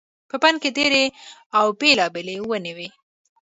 په بڼ کې ډېرې او بېلابېلې ونې وي.